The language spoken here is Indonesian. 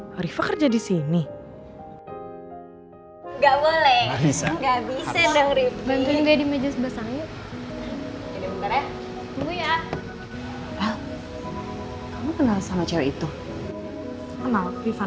sampai jumpa di video selanjutnya